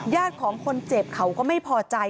ญาติของคนเจ็บเขาก็ไม่พอใจ